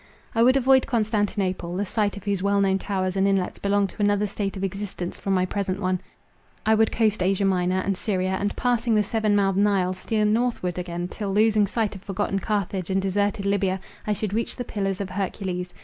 I would avoid Constantinople, the sight of whose well known towers and inlets belonged to another state of existence from my present one; I would coast Asia Minor, and Syria, and, passing the seven mouthed Nile, steer northward again, till losing sight of forgotten Carthage and deserted Lybia, I should reach the pillars of Hercules.